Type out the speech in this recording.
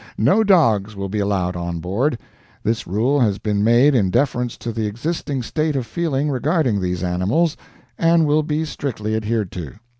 No dogs will be allowed on board. This rule has been made in deference to the existing state of feeling regarding these animals, and will be strictly adhered to.